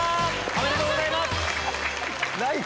おめでとうございます！